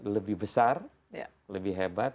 lebih besar lebih hebat